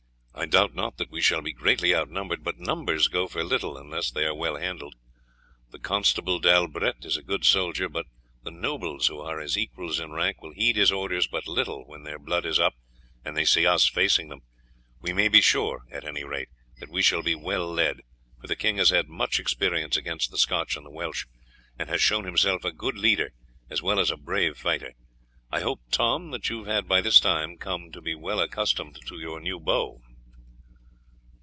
I doubt not that we shall be greatly outnumbered, but numbers go for little unless they are well handled. The Constable d'Albrett is a good soldier, but the nobles, who are his equals in rank, will heed his orders but little when their blood is up and they see us facing them. We may be sure, at any rate, that we shall be well led, for the king has had much experience against the Scotch and Welsh, and has shown himself a good leader as well as a brave fighter. I hope, Tom, that you have by this time come to be well accustomed to your new bow."